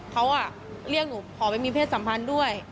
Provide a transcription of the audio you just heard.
เขาเรียกหนูขอไปมีเพศสัมพันธ์ด้วย